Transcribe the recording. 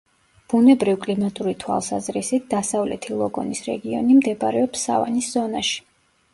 ბუნებრივ-კლიმატური თვალსაზრისით დასავლეთი ლოგონის რეგიონი მდებარეობს სავანის ზონაში.